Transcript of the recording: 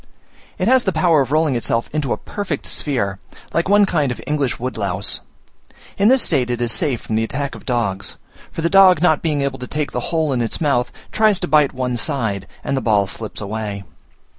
It has the power of rolling itself into a perfect sphere, like one kind of English woodlouse. In this state it is safe from the attack of dogs; for the dog not being able to take the whole in its mouth, tries to bite one side, and the ball slips away.